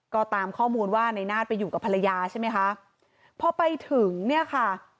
ก็ตามข้อมูลว่าในนาฏไปอยู่กับภรรยาใช่ไหมคะพอไปถึงเนี่ยค่ะ